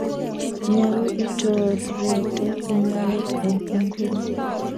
Nyalu itoreto inyendet en inguni.